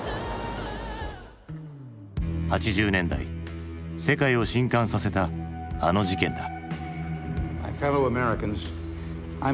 ８０年代世界を震かんさせたあの事件だ。